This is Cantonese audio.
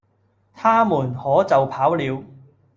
他們可就跑了。